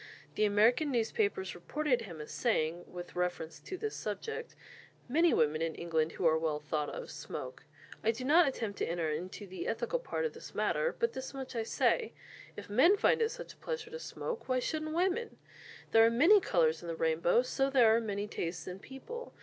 The American newspapers reported him as saying, with reference to this subject: "Many women in England who are well thought of, smoke. I do not attempt to enter into the ethical part of this matter, but this much I say: if men find it such a pleasure to smoke, why shouldn't women? There are many colours in the rainbow; so there are many tastes in people.